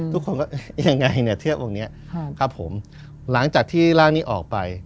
ทุกคนก็ยังไงเนี่ยเทพองค์นี้ครับผมหลังจากที่ร่างนี้ออกไป